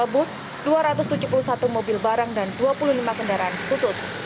dua bus dua ratus tujuh puluh satu mobil barang dan dua puluh lima kendaraan khusus